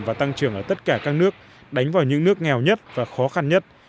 và tăng trưởng ở tất cả các nước đánh vào những nước nghèo nhất và khó khăn nhất